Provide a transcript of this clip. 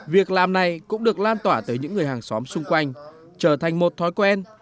việc làm này cũng được lan tỏa tới những người hàng xóm xung quanh trở thành một thói quen